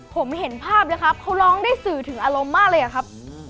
ผมเห็นภาพเลยครับเขาร้องได้สื่อถึงอารมณ์มากเลยอะครับ